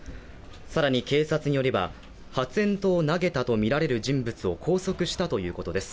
さらに警察によれば、発煙筒を投げたとみられる人物を拘束したということです。